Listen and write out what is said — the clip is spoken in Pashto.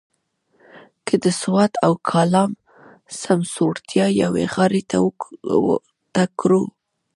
که د سوات او کالام سمسورتیا یوې غاړې ته کړو.